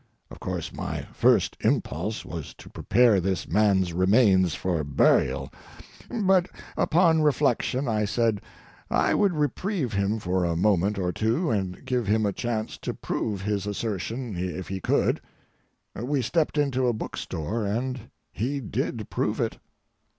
Of course, my first impulse was to prepare this man's remains for burial, but upon reflection I said I would reprieve him for a moment or two and give him a chance to prove his assertion if he could: We stepped into a book store, and he did prove it.